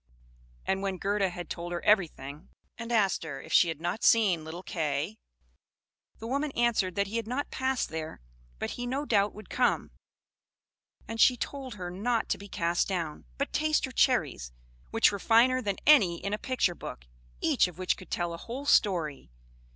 and when Gerda had told her everything, and asked her if she had not seen little Kay, the woman answered that he had not passed there, but he no doubt would come; and she told her not to be cast down, but taste her cherries, and look at her flowers, which were finer than any in a picture book, each of which could tell a whole story.